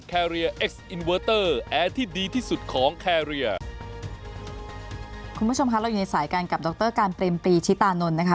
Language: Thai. คุณผู้ชมคะเราอยู่ในสายกันกับดรการเปรมปีชิตานนท์นะคะ